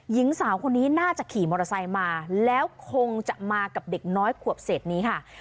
หญิงสาวคนนี้น่าจะขี่มอเตอร์ไซค์มาแล้วคงจะมากับเด็กน้อยขวบเศษนี้ค่ะ